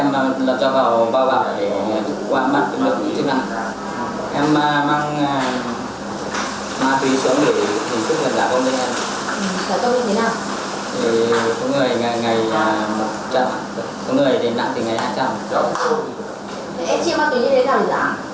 em chia ma túy như thế nào để giả